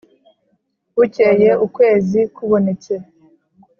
Bukeye ukwezi kubonetse